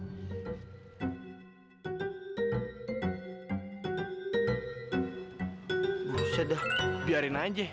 buset dah biarin aja